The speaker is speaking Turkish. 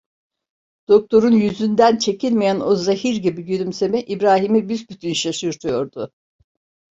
Doktorun yüzünden çekilmeyen o zehir gibi gülümseme İbrahim'i büsbütün şaşırtıyordu.